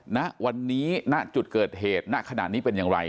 ณวันนี้ณจุดเกิดเหตุณขณะนี้เป็นอย่างไร